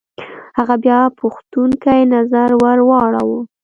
هغه بيا پوښتونکی نظر ور واړوه.